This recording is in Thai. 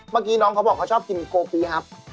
เมื่อกี้น้องเขาบอกเขาชอบกินโกฟีครับ